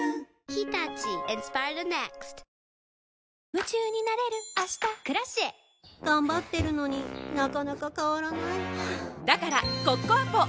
夢中になれる明日「Ｋｒａｃｉｅ」頑張ってるのになかなか変わらないはぁだからコッコアポ！